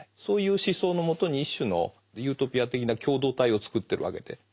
そういう思想の下に一種のユートピア的な共同体をつくってるわけで。